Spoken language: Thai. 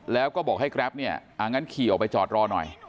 แล้วก็บอกให้แกรปเนี่ยงั้นขี่ออกไปจอดรอหน่อย